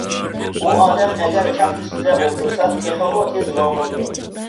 ئۇ ئادەم ئەگەر چاق ئۈستىدە ئولتۇرسا تېخىمۇ تېز ماڭمامدۇ!